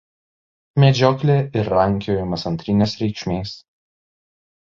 Medžioklė ir rankiojimas antrinės reikšmės.